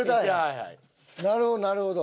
なるほどなるほど。